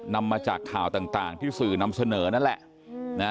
นำมาจากข่าวต่างที่สื่อนำเสนอนั่นแหละ